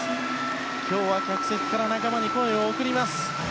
今日は客席から仲間に声を送ります。